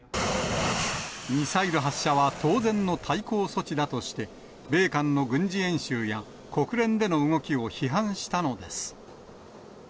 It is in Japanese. ミサイル発射は当然の対抗措置だとして、米韓の軍事演習や、国連での動きを批判したのです。